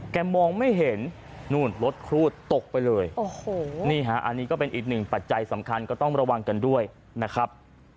มองไม่เห็นนู่นรถครูดตกไปเลยโอ้โหนี่ฮะอันนี้ก็เป็นอีกหนึ่งปัจจัยสำคัญก็ต้องระวังกันด้วยนะครับ